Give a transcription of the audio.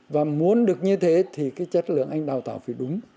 và muốn được như thế thì cái chất lượng anh đào tạo phải đúng